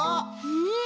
うん。